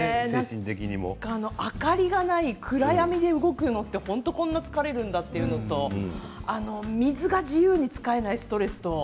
明かりがない暗闇で動くのは本当にこんなに疲れるんだというのと水が自由に使えないストレスと。